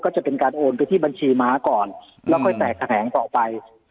ก็จะเป็นการโอนไปที่บัญชีม้าก่อนอืมแล้วก็แตกแข็งต่อไปครับ